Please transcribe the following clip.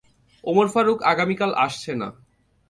ওমর ফারুক আগামীকাল আসছে না।